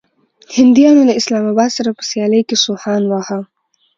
هنديانو له اسلام اباد سره په سيالۍ کې سوهان واهه.